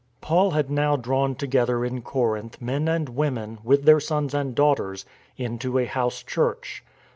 Paul had now drawn together in Corinth men and women, with their sons and daughters, into a " house church."